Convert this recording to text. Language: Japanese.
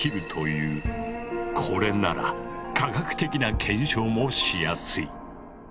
これなら科学的な検証もしやすい。